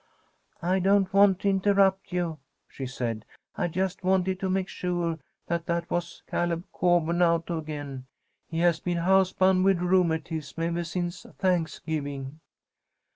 "I don't want to interrupt you," she said; "I just wanted to make sure that that was Caleb Coburn out again. He has been house bound with rheumatism ever since Thanksgiving."